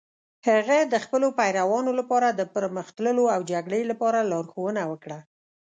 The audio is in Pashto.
هغه د خپلو پیروانو لپاره د پرمخ تللو او جګړې لپاره لارښوونه وکړه.